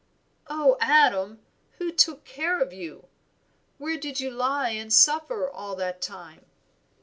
"Oh, Adam, who took care of you? Where did you lie and suffer all that time?"